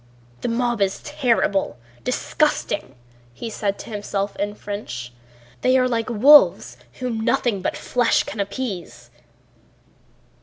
"The mob is terrible—disgusting," he said to himself in French. "They are like wolves whom nothing but flesh can appease."